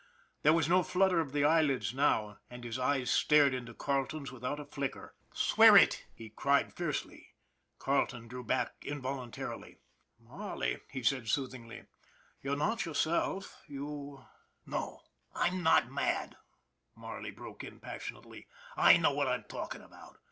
There was no flutter of the eyelids now, and his eyes stared into Carleton's without a flicker. " Swear it! " he cried fiercely. Carleton drew back involuntarily. " Marley," he said soothingly, " you're not yourself, you " 234 ON THE IRON AT BIG CLOUD " No, I'm not mad/' Marley broke in passionately. " I know what I'm talking about.